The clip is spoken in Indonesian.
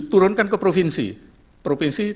di turunkan ke provinsi tiga puluh enam provinsi ya